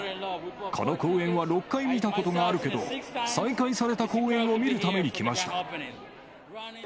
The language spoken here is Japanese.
この公演は６回見たことがあるけど、再開された公演を見るために来ました。